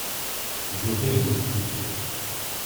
J’ouvris les hostilités.